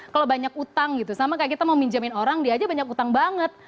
kalau banyak utang gitu sama kayak kita mau minjamin orang dia aja banyak utang banget